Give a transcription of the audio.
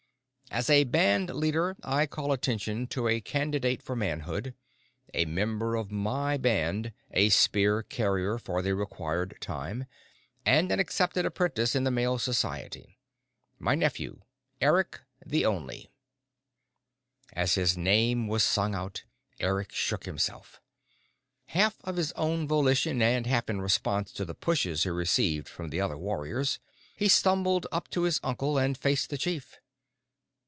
"As a band leader, I call attention to a candidate for manhood. A member of my band, a spear carrier for the required time, and an accepted apprentice in the Male Society. My nephew, Eric the Only." As his name was sung out, Eric shook himself. Half on his own volition and half in response to the pushes he received from the other warriors, he stumbled up to his uncle and faced the chief.